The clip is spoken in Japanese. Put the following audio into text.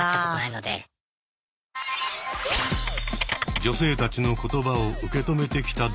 女性たちの言葉を受け止めてきたドライバーたち。